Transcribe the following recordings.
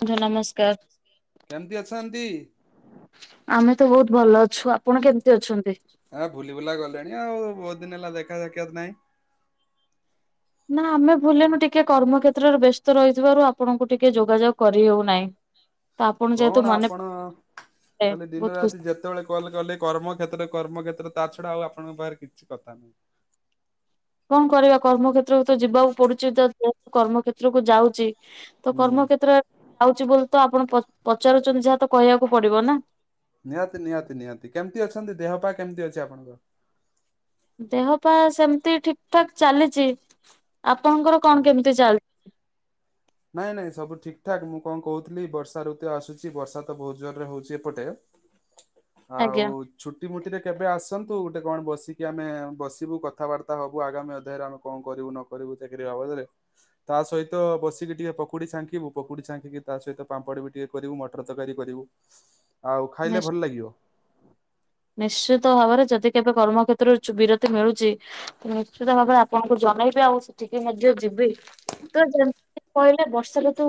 ବନ୍ଧୁ ନମସ୍କାର। କେମିତି ଅଛନ୍ତି? ଆମେ ତ ବହୁତ ଭଲ ଅଛୁ ଆପଣ କେମିତି ଅଛନ୍ତି? ଆ ଭୁଲି ଭୁଲା ଗଲେଣି ଆଉ ବହୁତ ଦିନ ହେଲା ଦେଖା ସାକ୍ଷାତ ନାହିଁ। ନା ଆମେ ଭୁଲିନୁ ଟିକେ କର୍ମ କ୍ଷେତ୍ରରେ ବ୍ୟସ୍ତ ରହିଥିବାରୁ ଆପଣଙ୍କୁ ଟିକେ ଯୋଗାଯୋଗ କରିହେଉନାହିଁ। କଣ ଆପଣ? ପଡିଲେ ଖାଲି ଦିନ ବହୁତ ଖୁସି ରାତି ଯେତେବେଳେ କଲ କଲେ କର୍ମକ୍ଷେତ୍ର କର୍ମକ୍ଷେତ୍ର। ତା ଛଡା ଆଉ ଆପଣଙ୍କ ପାଖରେ କିଛି କଥା ନାହିଁ। କଣ କରିବା କର୍ମକ୍ଷେତ୍ରକୁ ତ ଯିବାକୁ ପଡୁଛି ଯା କର୍ମକ୍ଷେତ୍ରକୁ ଯାଉଛି। ତ ହୁଁ କର୍ମକ୍ଷେତ୍ର ଯାଉଛି ବୋଲି ତ ଆପଣ ପ-ପଚାରୁଛନ୍ତି ଯାହା ତ। କହିବାକୁ ପଡିବ ନା। ନିହାତି ନିହାତି ନିହାତି କେମିତି ଅଛନ୍ତି ଦେହ ପା କେମିତି ଅଛି ଆପଣଙ୍କର? ଦେହ ପା ସେମିତି ଠିକ ଠାକ ଚାଲିଛି। ଆପଣଙ୍କର କଣ ହୁଁ। କେମିତି ଚାଲିଛି? ନାଇଁ ନାଇଁ ସବୁ ଠିକଠାକ ମୁଁ କଣ କହୁଥିଲି ବର୍ଷା ଋତୁ ଆସୁଛି ବର୍ଷା ତ ବହୁତ ଜୋର ରେ ହଉଛି ଏପଟେ। ଆଉ ଆଜ୍ଞା ଛୁଟି ମୁୁଟିରେ କେବେ ଆସନ୍ତୁ? କଣ ବସିକି ଆମେ ବସିବୁ କଥାବାର୍ତ୍ତା ହବୁ ଆଗାମୀ ଅଧ୍ୟାୟରେ ଆମେ କଣ କରିବୁ ନ କରିବୁ ଚାକିରି ହବ ତା ସହିତ ବସିକି ଟିକେ ପକୁଡି ଛାଙ୍କିବୁ ପକୁଡି ଛାଙ୍କିକି ତା ସହିତ ପାମ୍ପଡ଼ ବି ଟିକେ କରିବୁ ମଟର ତରକାରୀ କରିବୁ। ଆଉ ଖାଇଲେ ନିଶ୍ଚୟ। ଭଲ ଲାଗିବ। ନିଶ୍ଚିତ ଭାବରେ ଯଦି କେବେ କର୍ମକ୍ଷେ ତ୍ର ଚୁ ବିରତି ମିଳୁଛି ତ ନିଶ୍ଚିତ ଭାବରେ ଆପଣଙ୍କୁ ଜଣେଇବି ଆଉ ସେଠିକି ମଧ୍ୟ ଯିବି। ତ ଯେମିତି କହିଲେ ବର୍ଷା ଋତୁ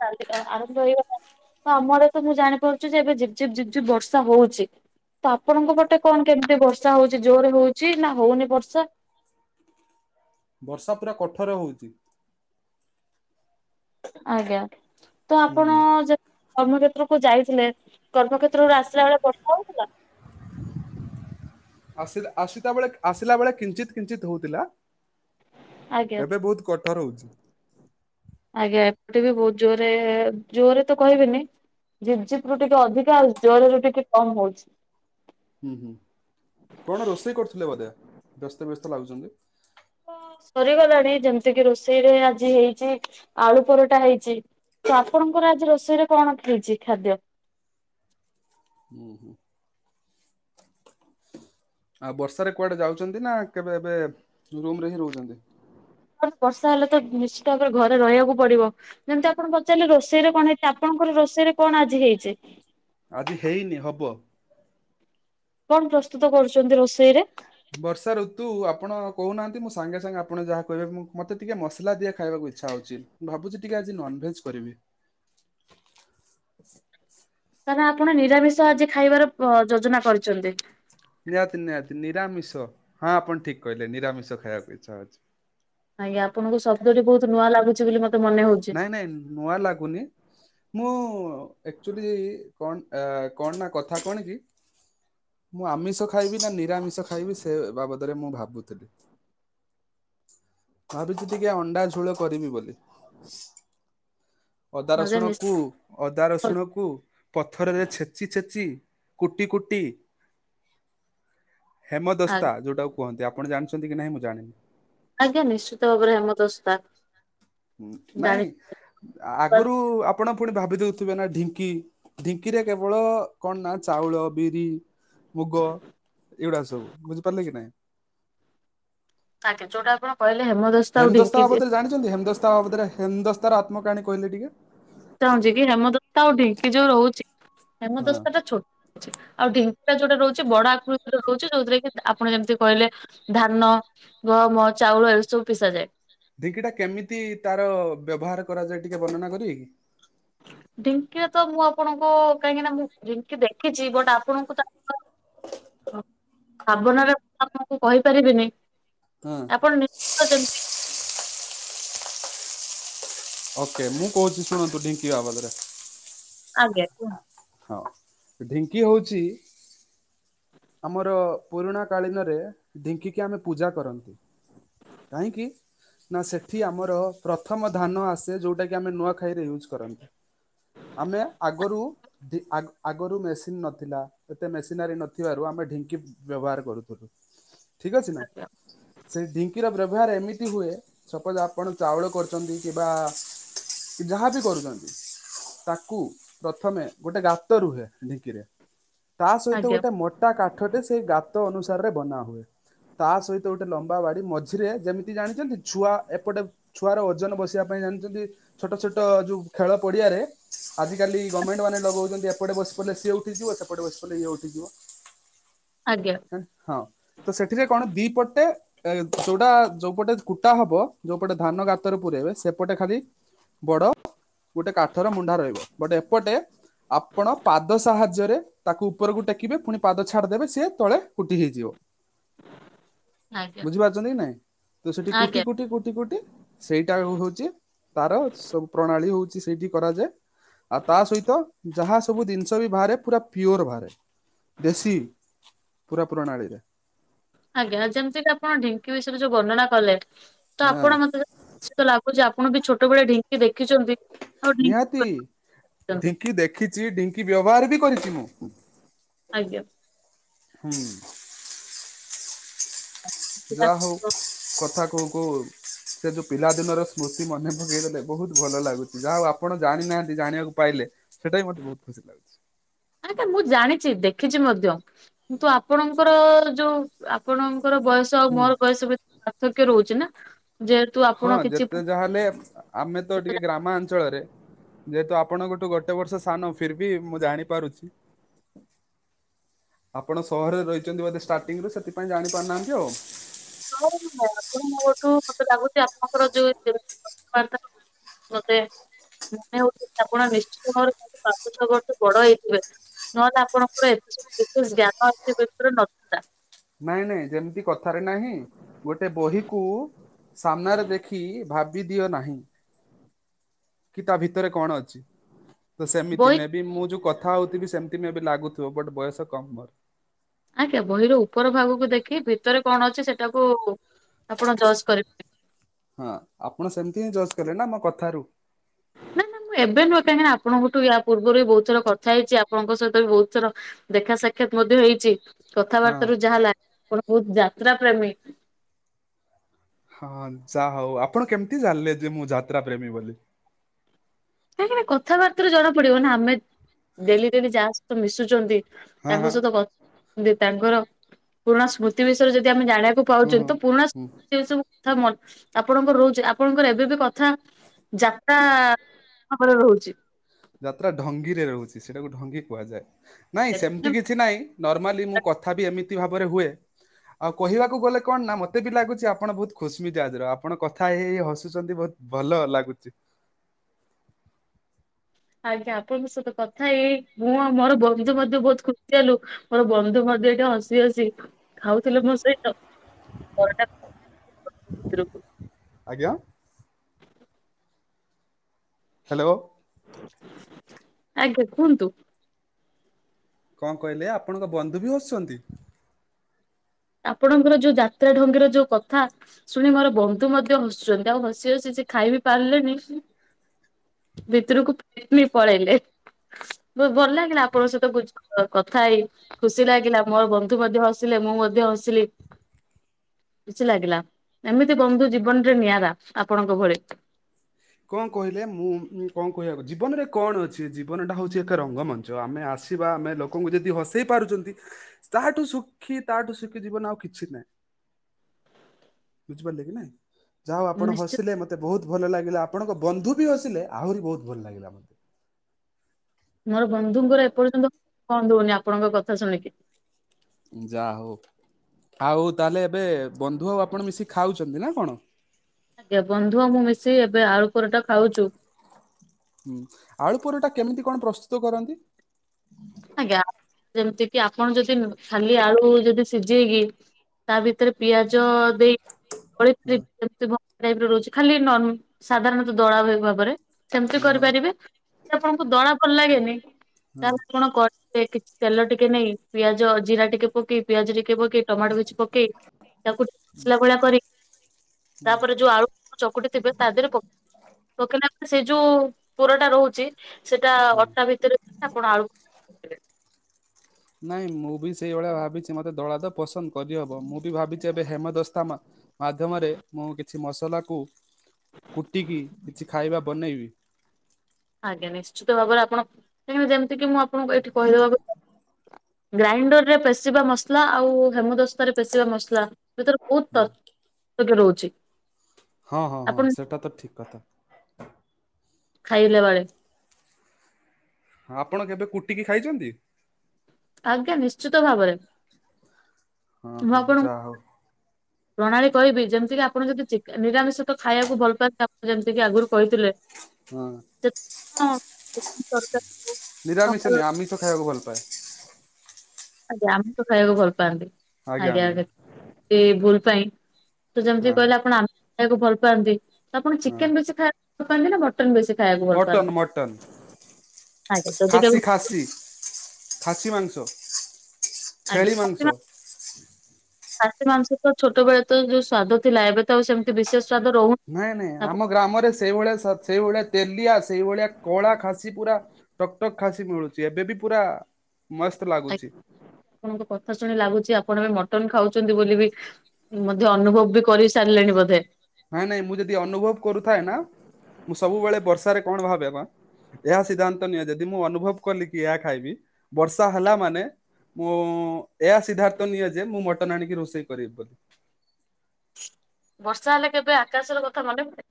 ଚାଲି ଅ ଆରମ୍ଭ ହେଇଗଲାଣି। ତ ଆମର ତ ମୁଁ ଜାଣିପାରୁଛି ଯେ ଏବେ ଝିପ ଝିପ ଝିପ ଝିପ ବର୍ଷା ହଉଛି। ତ ଆପଣଙ୍କ ପଟେ କଣ କେମିତି ବର୍ଷା ହଉଚି ଜୋର ହଉଚି ନା ହଉନି ବର୍ଷା? ବର୍ଷା ପୁରା କଠୋର ହଉଚି। ଆଜ୍ଞା ତ ଆପଣ ହୁଁ ଜ କର୍ମକ୍ଷେତ୍ରକୁୁ ଯାଇଥିଲେ କର୍ମକ୍ଷେତ୍ରରୁ ଆସିଲା ବେଳେ ବର୍ଷା ହଉଥିଲା? ଆସ ଆସିଲା ବେଳେ ଆସିଲା ବେଳେ କିଞ୍ଚିତ କିଞ୍ଚିତ ହଉଥିଲା। ଆଜ୍ଞା ଏବେ ବହୁତ କଠୋର ହହୁଚି। ଆଜ୍ଞା ଏପଟେ ବି ବହୁତ ଜୋରରେ ଜୋରେ ତ କହିବିନି ଝିପି ଝିପି ରୁ ଟିକେ ଅଧିକା ଆଉ ଜୋର ରୁ ଟିକେ କମ୍ ହଉଚି। ହୁଁ ହୁଁ କଣ ରୋଷେଇ କରୁଥିଲେ ବଧେ ବ୍ୟସ୍ତ ବ୍ୟସ୍ତ ଲାଗୁଚନ୍ତି? ହଁ ସରିଗଲାଣି ଯେମିତି କିି ରୋଷେଇ ରେ ଆଜି ହେଇଚି ଆଳୁ ପରଟା ହେଇଚି। ତ ଆପଣଙ୍କର ଆଜି ରୋଷେଇରେ କଣ ହେଇଚି ଖାଦ୍ୟ? ହୁଁ ହୁଁ। ଆଉ ବର୍ଷାରେ କୁଆଡେ ଯାଉଚନ୍ତି ନା କେବେ ଏବେ ରୁମ୍ ରେ ହିଁ ରହୁଚନ୍ତି? ବର୍ଷା ହେଲେ ତ ନିଶ୍ଚିତ ଭାବରେ ଘରେ ରହିବାକୁ ପଡିବ ଯେମିତି ଆପଣ ପଚାରିଲେ ରୋଷେଇରେ କଣ ହେଇଚି ଆପଣ ଙ୍କର ରୋଷେଇରେ କଣ ଆଜି ହେଇଚି? ଆଜି ହେଇନି ହବ କଣ ପ୍ରସ୍ତୁତ କରୁଛନ୍ତି ରୋଷେଇରେ? ବର୍ଷା ଋତୁ ଆପଣ କହୁନାହାନ୍ତି ମୁଁ ସାଙ୍ଗେ ସାଙ୍ଗେ ଆପଣ ଯାହା କହିବେ ମୁଁ ମତେ ଟିକେ ମସଲା ଦିଆ ଖାଇବାକୁ ଇଛା ହଉଛି ଭାବୁଛି ଟିକେ ଆଜି ନନଭେଜ କରିବି। ତାହାଲେ ଆପଣ ନିରାମିଷ ଆଜି ଖାଇବାର ପ ଯୋଜନା କରିଚନ୍ତି। ନିହାତି ନିହାତି ନିରାମିଷ ହଁ ଆପଣ ଠିକ କହିଲେ ନିରାମିଷ ଖାଇବାକୁ ଇଚ୍ଛା ଅଛି। ଆଜ୍ଞା ଆପଣଙ୍କୁ ଶବ୍ଦ ଟି ବହୁତ ନୂଆ ଲାଗୁଚି ବୋଲି ମତ ନାଇଁ ନାଇଁ ନୂଆ ଲାଗୁନି ମୁଁ ଆକଚୁଲି କଣ ଆ କଣ ନା କଥା କଣ କି? ମୁଁ ଆମିଷ ଖାଇବି ନା ନିରାମିଷ ଖାଇବି ସେ ବାବଦରେ ମୁଁ ଭାବୁଥିଲି। ଭାବୁଚି ଟିକେ ଅଣ୍ଡା ଝୋଳ କରିବି ବୋଲି। ଅଦା ଆଜ୍ଞା ରସୁଣ ନିଶ୍ଚିତ କୁ ଅଦା ରସୁଣ କୁ ପଥରରେ ଛେଚି ଛେଚି କୁଟି କୁଟି ହେମଦସ୍ତା ଯୋଉଟାକୁ କୁହନ୍ତି ଆପଣ ଜାଣିଛନ୍ତି କି ନାହିଁ ମୁଁ ଜାଣିନି। ଆଜ୍ଞା ନିଶ୍ଚିତ ଭାବରେ ହେମଦସ୍ତା। ହ ଜାଣି ନାଇଁ ଆଗରୁ ଆପ ଆପଣ ପୁଣି ଭାବି ଦଉଥିବେ ନା ଢିଙ୍କି ଢିଙ୍କିରେ କେବଳ କଣ ନା ଚାଉଳ ବିରି ମୁଗ ଏଇଗୁଡା ସବୁ ବୁଝିପାରିଲେ କି ନାଇଁ? ଆଜ୍ଞା ଯୋଉଟା ଆପଣ କହିଲେ ଆଉ ହେମଦସ୍ତା ଢିଙ୍କି ବାବଦରେ ଜାଣିଛନ୍ତି ହେମଦସ୍ତା ବାବଦରେ ହେମଦସ୍ତତା ର ଆତ୍ମକାହାଣୀ କହିଲେ ଟିକେ? ଚାହୁଁଛି କି ହେମଦସ୍ତା ଆଉ ଢିଙ୍କି ଯୋଉ ରହୁଛି ହଁ। ହେମଦସ୍ତା ଟା ଛୋଟ ରଛି ଆଉ ଢିଙ୍କି ଟା ଯୋଉଟ ରହୁଚି ବଡ ଆକୃତ ରହୁଚି ଯୋଉଥିରେ କି ଆପଣ ଯେମିତି କହିଲେ ଧାନ ଗହମ ଚାଉଳ ଏ ସବୁ ପିଶାଯାଏ। ଢ଼ିଙ୍କିକି ଟା କେମିତି ତାର ବ୍ୟବହାର କରାଯାଏ ଟିକେ ବର୍ଣ୍ଣନା କରିବି କିି? ଢିଙ୍କିରେ ତ ମୁଁ ଆପଣଙ୍କୁ କାହିଁକି ନା ମୁଁ ଢ଼ିଙ୍କି ଦେଖିଛି ବଟ୍ ଆପଣଙ୍କୁ ତାର ଭାବନାରେ ମୁଁ ଆମକୁ କହିପାରିବିନି ହଁ ଆପଣ [unintelligible] ଯେମିତିକି ଓକେ ମୁଁ କହୁଛି ଶୁଣନ୍ତୁ ଢିଙ୍କି ବାବଦରେ ଆଜ୍ଞା କୁହଁନ୍ତୁ। ହଁ ଢିଙ୍କି ହଉଚି ଆମର ପୁରୁଣା କାଳୀନରେ ଢିଙ୍କିକି ଆମେ ପୂଜା କରନ୍ତି। କାହିଁକି ନା ସେଠି ଆମର ପ୍ରଥମ ଧାନ ଆସେ ଯୋଉଟା କିି ଆମେ ନୂଆଖାଇରେ ୟୁଜ୍ କରନ୍ତି। ଆମେ ଆଗରୁ ଡି ଆଗରୁ ମେସିନ ନଥିଲା ଏତ ମେସିନାରି ନ ନଥିବାରୁ ଆମେ ଢିଙ୍କି ବ୍ୟବହାର କରୁଥିଲୁ ଠିକ୍ ଅଛି ନା ଆଜ୍ଞା ସେଇ ଢିଙ୍କିର ବ୍ୟ ବ୍ୟହାର ଏମିତି ହୁଏ ସପୋଜ ଆପଣ ଚାଉଳ କରୁଚନ୍ତି କିବା ଯାହାବି କରୁଚନ୍ତି। ତାକୁ ପ୍ରଥମେ ଗୋଟେ ଗାତ ରୁହେ ଢିକିରେ ତା ସହିତ ଗୋ ଆଜ୍ଞା ମୋଟା କାଠଟ ସେଇ ଗାତ ଅନୁସାରେରେ ବନା ହୁଏ। ତା ସହିତ ଗୋଟେ ଲମ୍ବା ବାଡି ମଝିରେ ଯେମିତି ଜାଣିଚନ୍ତି ଛୁଆ ଏପଟେ ଛୁଆର ଓଜନ ବସିବା ପାଇଁ ଜାଣିଚନ୍ତି ଛୋଟ ଛୋଟ ଯୋଉ ଖେଳ ପଡିଆରେ ଆଜିକାଲି ଗମେଣ୍ଟ ମାନେ ଲଗୋଉଚନ୍ତି ଏପେଟେ ବସି ପଇଲେ ସେ ଉଠିଯିବ ସେପଟେ ବସି ପ‌ଇଲେ ଇଏ ଉଠିି ଯିବ। ଆଜ୍ଞା ହଁ ତ ସେଥିରେ କଣ ଦି ପଟେ ଏ ଯୋଉଟା ଯୋଉପଟେ କୁଟା ହବ ଯୋଉପଟେ ଧାନ ଗାତରେ ପୁରେଇବେ ସେପଟେ ଖାଲି ବଡ ଗୋଟେ କାଠର ମୁଢା ରହିବ। ବଟ ଏପଟେ ଆପଣ ପାଦ ସାହାଯ୍ୟରେ ତାକୁ ଉପରକୁ ଟେକି କୁଟିବେ ପୁଣି ପାଦ ଛାଡିଦେବେ ସିଏ ତଳେ କୁଟି ହେଇଯିବ। ଆଜ୍ଞା ବୁଝିପାରୁଚନ୍ତି କି ନାଇଁ? ତ ସେଠି ଆଜ୍ଞା। କୁଟି କୁଟି କୁଟି କୁଟି ସେଇଟା ହୋଉଚି ତାର ସବୁ ପ୍ରଣାଳୀ ହୋଉ ସେଇଠି କରାଯାଏ। ଆଉ ତା ସହିତ ଯାହା ସବୁ ଜିନିଷ ବି ବାହାରେ ପୁରା ପିଓର ବାହାରେ। ଦେଶୀ ପୁରା ପ୍ରଣାଳୀରେ। ଆଜ୍ଞା ଯେମିତି କି ଆପଣ ଢିଙ୍କି ବିଷୟରେ ଯୋଉ ବର୍ଣନା କଲେ ତ ହଁ ଆପଣ ମତେ ଲାଗୁ [unintelligible] ଆପଣ ବି ଛୋଟବେଳେ ଢଙ୍କି ଦେ ନିହାତି ଛନ୍ତି ଢିଙ୍କି ଦେଖିଚି ଢିଙ୍କି ବ୍ୟବହାର ବି କରିଚି। [unintelligible] ଆଜ୍ଞା। ହୁଁ। ଯାହା ହୋଉ କଥା କୋଉ କୋଉ ସେ ଯୋଉ ପିଲାଦିନର ସ୍ମୃତି ମନେ ପକେଇଦେଲେ ବୋହୁତ ଭଲ ଲାଗୁଚି। ଯାହା ହୋଉ ଆପଣ ଜାଣନାେ ଜାଣିବାକୁ ପାଇଲେ ସେଟା ବି ମତେ ବୋହୁତ ଖୁସି ଲାଗୁଚି। ନା ମୁଁ ଜାଣିଚି ଦେଖିଚି ମଧ୍ୟ କିନ୍ତୁ ଆପଣଙ୍କର ଯୋଉ ଆପଣ ଙ୍କର ବୟସ ଆଉ ହୁଁ। ମୋର ବୟସ ବି ପାର୍ଥକ୍ୟ ରହୁଚି ନା। ଯେହେତୁ ଆପଣ ହଁ କିଛି ଯେତେ ଯାହା ହେଲେ ଆମେ ତ ଟିକେ ଆପଣ ଗ୍ରାମାଞ୍ଚଳରେ। ଯେହେତୁ ଆପଣଙ୍କଠୁ ଗୋଟେ ବର୍ଷ ସାନ ଫିର ବି ମୁଁ ଜାଣିପାରୁଚି‌ ଆପଣ ସହରରେ ରହିଚନ୍ତି ବୋଧେ ଷ୍ଟାଟିଙ୍ଗିରୁ ସେଥିପାଇଁ ଜାଣିପାରୁନାହାନ୍ତି ଆଉ। [unintelligible] ଆପଣ ମୋଠୁ ମତେ ଲାଗୁଚି ଆପଣଙ୍କର ଯୋଉ [unintelligible] କଥାବାର୍ତ୍ତା ମତେ ମନେ ହୋଉଚି ଆପଣ ନିଶ୍ଚିତ ଭାବରେ ପାଞ୍ଚ ଛଅ ବର୍ଷ ବଡ ହେଇଥିବେ। ନହେଲେ ଆପଣଙ୍କର ଏତେ ସବୁ ବିଶେଷ ଜ୍ଞାନ [unintelligible] ନଥାନ୍ତା। ନାଇଁ ନାଇଁ ଯେମିତି କଥାରେ ନାହିଁ ଗୋଟେ ବହିକୁ ସାମ୍ନାରେ ଦେଖି ଭାବି ଦିଅ ନାହିଁ। କି ତା ଭିତରେ କଣ ଅଛି। ତ ସେମିତି ବହି ମେ ବି ମୁଁ ଯୋଉ କଥା ହୋଉଥିବି ସେମିତି ମେ ବି ଲାଗୁଥିବ ବଟ ବୟସ କମ୍ ମୋର। ଆଜ୍ଞା ବହିର ଉପର ଭାଗକୁ ଦେଖି ଭିତରେ କଣ ଅଛି ସେଟାକୁ ଆପଣ ଜଜ୍ କରିପାରିବେ ହଁ ଆପଣ ସେମିତି ହିଁ ଜଜ୍ କଲେ ନା ମୋ କଥାରୁ। ନା ନା ଏବେ ନୁହେଁ କାହିଁକି ନା ଆପଣଙ୍କଠୁ ୟା ପୂର୍ବ ବି ବୋହୁତ ଥର କଥା ହେଇଚି। ଆପଣଙ୍କ ସହିତ ବି ବୋହୁତ ଥର ଦେଖା ସାକ୍ଷାତ ମଧ୍ୟ ହେଇଚି। ହଁ। କଥାବାର୍ତ୍ତା ରୁ ଯାହା ଲା ଆପଣ ବୋହୁତ ଯାତ୍ରା ପ୍ରେମୀ। ହଁ ଯାହା ହୋଉ ଆପଣ କେମିତି ଜାଣିଲେ ଯେ ମୁଁ ଯାତ୍ରା ପ୍ରେମୀ ବୋଲି? କାହିଁକ ନା କଥାବାର୍ତ୍ତାରୁ ଜଣା ପଡିବ ନା ଆମେ ଡେଲି ଡେଲି ଯାହା ସହିତ ମିଶୁଚନ୍ତି। ହଁ ତାଙ୍କ ହଁ ସହିତ କ ତାଙ୍କର ପୁରୁଣା ସ୍ମୃତି ବିଷୟରେ ଯଦି ଆମେ ଜାଣିବା ହୁଁ ପାଉଚନ୍ତି ହୁଁ ତ ପୁରୁଣା ହୁଁ। ସ୍ମୃତି ଏସବୁ କଥା ମ ଆପଣଙ୍କ ରହୁଚି ଆପଣଙ୍କର ଏବେ ବି କଥା ଯାତ୍ରା ଭାବରେ ରହୁଚି। ଯାତ୍ରା ଢଙ୍ଗି ରେ ରହୁଚି ସେଇଟାକୁ ଢଙ୍ଗି କୁହାଯାଏ। ନାଇଁ ସେମିତି କିଛି ନହିଁ ନର୍ମାଲି ମୁଁ କଥା ବି ଏମିତି ଭାବରେ ହୁଏ। ଆଉ କହିବାକୁ ଗଲେ କଣ ନା ମତେ ବି ଲାଗୁଚି ଆପଣ ବହୁତ ଖୁସିମିସାଜ୍ ର ଆଜିର ଆପଣ କଥା ହେଇ ହସୁଛନ୍ତି ବହୁତ। ଭଲ ଲାଗୁଚି। ଆଜ୍ଞା ଆପଣଙ୍କ ସହିତ କଥା ହେଇ ହେଇ ମୁଁ ଆଉ ମୋର ବନ୍ଧୁ ମଧ୍ୟ ବହୁତ ଖୁସି ହେଲୁ ମୋର ବନ୍ଧୁ ମ ଟି ଏଇଟା ହସି ହସି ଖାଉଥିଲେ ମୋ ସହିତ [unintelligible] [unintelligible] ଆଜ୍ଞା। ହାଲୋ। ଆଜ୍ଞା କୁହନ୍ତୁ। କଣ କହିଲେ ଆପଣଙ୍କ ବନ୍ଧୁ ବି ହସୁଚନ୍ତି? ଆପଣଙ୍କର ଯୋଉ ଯାତ୍ରା ଢଙ୍ଗିର ଯୋଉ କଥା ଶୁଣି ମୋର ବନ୍ଧୁ ମଧ୍ୟ ହସୁଚନ୍ତି ଆଉ ହସି ହସି ସେ ଖାଇ ବିି ପାରିଲେନି। [inaudible] ଭିତରକୁ [unintelligible] ପଳେଇଲେ। ବହୁତ ଭଲ ଲାଗିଲା ଆପଣଙ୍କ ସହିତ କୁଚ କଥା ହେଇ ଖୁସି ଲାଗିଲା ମୋର ବନ୍ଧୁ ମଧ୍ୟ ହସିଲେ ମୁଁ ମଧ୍ ୟେ ହସିଲି। କିଛି ଲାଗିଲା ଏମିତି ବନ୍ଧୁ ଜୀବନରେ ନିଆରା ଆପଣଙ୍କ ଭଳି। କଣ କହିଲେ ମୁଁ କଣ କହିବାକୁ ଜୀବନରେ କଣ ଅଛି ଜୀବନଟା ହଉଚି ଏକ ରଙ୍ଗମଞ୍ଚ ଆମେ ଆସ ଆସିବା ଆମେ ଲୋକଙ୍କୁ ଯଦି ହସେଇ ପାରୁଚନ୍ତି ତାହାଠୁ ଶୁଖି ତାଠୁ ଶୁଖି ଜୀବନ ଆଉ କିଛି ନାହିଁ। ବୁଝିପାରିଲେ କି ନାଇଁ ଯାହା ଆପଣ ନିଶ୍ଚୟ ହସିଲେ ମତେ ବହୁତ ଭଲ ଲାଗିଲା। ଆପଣଙ୍କ ବନ୍ଧୁ ବି ଆସିଲେ ଆହୁରି ବହୁତ ଭଲ ଲାଗିଲା ମତେ। ମୋର ବନ୍ଧୁଙ୍କର ଏପର୍ଯ୍ୟନ୍ତ କଣ ଦଉନି ଆପଣଙ୍କ କଥା ଶୁଣିକି। ଯାହଉ। ଆଉ ତାହେଲେ ଏବେ ବନ୍ଧୁ ଆଉ ଆପଣ ମିଶିକି ଖାଉଚନ୍ତି ନା କଣ? ଆଜ୍ଞା ବନ୍ଧୁ ଆଉ ମୁଁ ମିଶି ଏବେ ଆଳୁ ପରଟା ଖାଉଚୂ। ହୁଁ ଆଳୁ ପରଟା କେମିତି କଣ ପ୍ରସ୍ତୁତ କରନ୍ତି? ଆଜ୍ଞା ଯେମିତି କିି ଆପଣ ଯଦି ଖାଲି ଆଳୁ ଯଦି ସିଝେଇକି ତା ଭିତ ସେଥିରେ ପିଆଜ ଦେଇକି [unintelligible] ହଁ ପାରିବି ଯେମତି ପ ର ରହୁଚି ଖାଲି ସାଧାରଣତଃ ଦଳା ଭାବରେ ସେମିତି ହଁ ହଁ କରିପାରିବେ। ଆପଣଙ୍କୁ ଦଳା ଭଲ ଲାଗେନି? ହଁ। କଡେ କିଛି ତେଲ ଟିକେ ନେଇ ପିଆଜ ଜିରା ଟିକେ ପକି ପିଆଜ ଟିକେ ପକେଇ ପକେଇ ଟମାଟୋ କିଛି ପକେଇ ତାକୁ ମସଲା ଭଳି କରି ତାପରେ ଯୋଉ ଆଳୁ ଚକୁଟିଥିବେ ତାଦୀରେ ପକେଇ ପକେଇଲା ସେ ଯୋଉ ପୁରଟା ରହୁଚି ସେଟା ଅଟା ଭିତରେ ଆପଣ ଆଳୁ ନାଇଁ ମୁଁ ବି ସେଇଭଳିଆ ଭାବିଚି ମତେ ଦଳାଦ ପସନ୍ଦ କରିହବ ମୁଁ ବି ଭାବିଛି ଏବେ ହେମଦସ୍ତା ମା ମାଧ୍ୟମରେ ମୁଁ କିଛି ମସଲାକୁ କୁଟିକି କିଛି ଖାଇବା ବନେଇବି। ଆଜ୍ଞା ନିଶ୍ଚିତ ଭାବରେ ଆପଣ କାହିଁ ଯେମତିକି ମୁଁ ଆପଣଙ୍କୁ ଏଇଠି କହିଦେବାକୁ ଗ୍ରାଇଣ୍ଡର ରେ ପେଶିବା ମସଲା ଆଉ ହେମୁ ଦସ୍ତାରେ ପେଷିବା ମସଲା ଭିତରେ ଓ ତକ ରହୁଚି। ହଁ ହଁ ହଁ ସେଟା ତ ଠିକ କଥା। ଖାଇଲାବେଳେ ହ ଆପଣ କେବେ କୁଟିକି ଖାଇଚନ୍ତି? ଆଜ୍ଞା ନିଶ୍ଚିତ ଭାବରେ। ହଁ ମୁଁ ହଁ ଆପଣ ଯାହଉ। ପ୍ରଣାଳୀ କହିବି ଯେମିତି କି ଆପଣ ଯଦି ନିରାମିଷ ତ ଖାଇବାକୁ ଭଲ ପାଆନ୍ତି ଆପଣ ଯେମତିି ଆଗରୁ କହିଥିଲେ। ହଁ। ଯେ ହଁ। ତରକାରୀ ହଉ ନିରାମିଷ ନହେଲେ ନାଇ ଆମିଷ ଖାଇବାକୁ ଭଲପାଏ। ଆଜ୍ଞା ଆମିଷ ଖାଇବାକୁ ଭଲ ପାଆନ୍ତି। ଆଜ୍ଞା ଆଜ୍ଞା ଏଇ ଭୁଲ ପାଇଁ ତ, ଯେମିତି ହଁ କହିଲେ ଆପଣ ଆମକୁ ଭଲ ପାଆନ୍ତି। ଆପଣ ହଁ। ଚିକେନ ବେଶି ଖାଇବାକୁ ଭଲ ପାଆନ୍ତି ନା ମଟନ ବେଶୀ ଖାଇବାକୁ ଭଲ ମଟନ ପାଆନ୍ତି। [unintelligible] ମଟନ ଖାସି ଖାସି ଖାସି ମାଂସ, ଆଜ୍ଞା ଛେଳି ଖାସି ମାଂସ ଖାସି ମାଂସ ତ ଛୋଟ ବେଳେ ତ ଯୋଉ ସ୍ଵାଦ ଥିଲା ଏବେ ତସେମିତି ବିଶେଷ ସ୍ଵାଦ ରହୁନି ନାଇଁ ନାଇଁ ଆପଣ ଆମ ଗ୍ରାମରେ ସେଇଭଳିଆ ସେଇଭଳିଆ ତେଲିଆ ସେଇଭଳିଆ କଳା ଖାସି ପୁରା ଟକ୍ ଟକ୍ ଖାସି ମିଳୁଛି ଏବେ ବି ପୁରା ମସ୍ତ ଲାଗୁଛି। ଆଜ୍ଞା। ଆପଣଙ୍କ କଥା ଶୁଣି ଲାଗୁଛି ଆପଣ ବି ମଟନ ଖାଉଛନ୍ତି ବୋଲି ବି ମଧ୍ୟ ଅନୁଭବ ବି କରି ସାରିଲେଣି ବୋଧେ। ନାଇଁ ନାଇଁ ମୁଁ ଯଦି ଅନୁଭବ କରୁଥାଏ ନା, ମୁଁ ସବୁବେଳେ ବର୍ଷା ରେ କଣ ଭାବେ ବା। ଏହା ସିଦ୍ଧାନ୍ତ ନିଅ ଯଦି, ମୁଁ ଅନୁଭବ କଲି କି ଏହା ଖାଇବି ବର୍ଷା ହେଲା ମାନେ ମୁଁ ଏହା ସିଦ୍ଧାର୍ଥ ନିଏ ଯେ ମୁଁ ମଟନ ଆଣିକି ରୋଷେଇ କରିବି ବୋଲି। [inaudible] ବର୍ଷା ହେଲେ କେବେ ଆକାଶର କଥା ମନେ ପଡେ।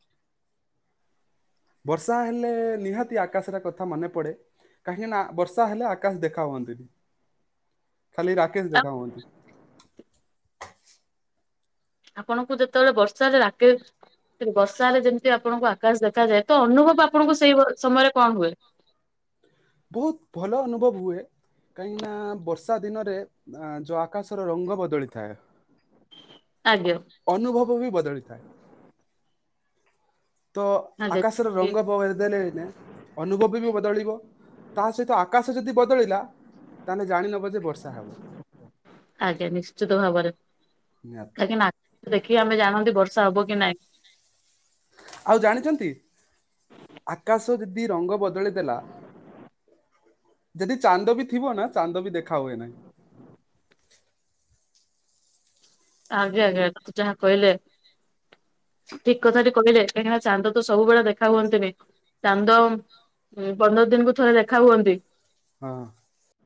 ବର୍ଷା ହେଲେ ନିହାତି ଆକାଶର କଥା ମନେ ପଡ଼େ। କାହିଁକି ନା ବର୍ଷା ହେଲେ ଆକାଶ ଦେଖା ହୁଅନ୍ତିନି। ଖାଲି ରାକେଶ ଦେଖା ହୁଅନ୍ତି। ଆପଣଙ୍କୁ ଯେତେବେଳେ ବର୍ଷାରେ ରାକେଶ ବର୍ଷାରେ ଯେମିତି ଆପଣଙ୍କୁ ଆକାଶ ଦେଖାଯାଏ, ତ ଅନୁଭବ ଆପଣଙ୍କୁ ସେଇ ସମୟରେ କଣ ହୁଏ? ବହୁତ ଭଲ ଅନୁଭବ ହୁଏ। କାହିଁକି ନା ବର୍ଷା ଦିନରେ ଯୋଉ ଆକାଶର ରଙ୍ଗ ବଦଳି ଥାଏ। ଆଜ୍ଞା ଅନୁଭବ ବି ବଦଳିଥାଏ। ତ ଆଜ୍ଞା ଆକାଶରେ ରଙ୍ଗ ବଦଳେ ଦିନେ ଦିନେ, ଅନୁଭବ ବି ବଦଳିବ, ତା ସହିତ ଆକାଶ ଯଦି ବଦଳିଲା, ତାହେଲେ ଜାଣି ନବ ଯେ ବର୍ଷା ହବ। ଆଜ୍ଞା ନିଶ୍ଚିତ ଭାବରେ ନିହାତି କାହିଁକି ନା ଆକୁ ଦେଖିକି ଆମେ ଜାଣନ୍ତି ଯେ ବର୍ଷା ହବ କି ନାଇଁ। ଆଉ ଜାଣିଛନ୍ତି, ଆକାଶ ଯଦି ରଙ୍ଗ ବଦଳି ଦେଲା। ଯଦି ଚାନ୍ଦ ବି ଥିବ ନା, ଚାନ୍ଦ ବି ଦେଖା ହୁଏ ନାହିଁ। [inaudible] ଆଜ୍ଞା ଆଜ୍ଞା ଯାହା କହିଲେ। ଠିକ କଥାଟି କହିଲେ କାହିଁକିନା ଚାନ୍ଦ ତ ସବୁବେଳେ ଦେଖା ହୁଅନ୍ତିନି, ଚାନ୍ଦ ହୁଁ ପନ୍ଦର ଦିନକୁ ଥରେ ଦେଖା ହୁଅନ୍ତି। ହଁ।